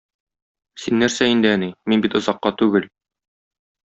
Син нәрсә инде, әни, мин бит озакка түгел.